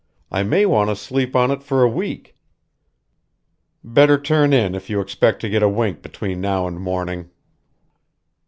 I may want to sleep on it for a week. Better turn in if you expect to get a wink between now and morning."